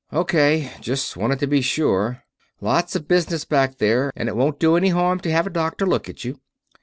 "O.K. Just wanted to be sure. Lots of business back there, and it won't do any harm to have a doctor look at you."